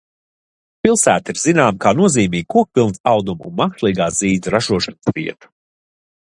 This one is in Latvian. Pilsēta ir zināma kā nozīmīga kokvilnas audumu un mākslīgā zīda ražošanas vieta.